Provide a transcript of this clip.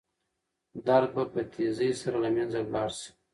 درد به په تېزۍ سره له منځه لاړ شي.